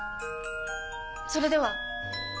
それでは！